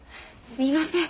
すみません。